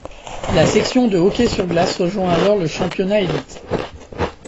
La section de hockey sur glace rejoint alors le Championnat élite.